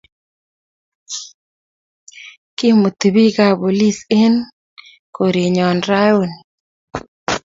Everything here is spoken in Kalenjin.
kimuti biik kab polis eng' eng' kore nyo rauni.